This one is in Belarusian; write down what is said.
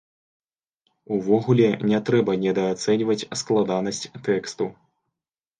Увогуле не трэба недаацэньваць складанасць тэксту.